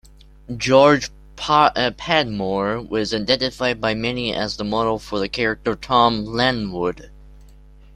George Padmore was identified by many as the model for the character "Tom Lanwood".